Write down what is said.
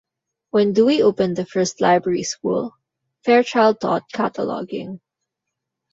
When Dewey opened the first library school, Fairchild taught cataloging.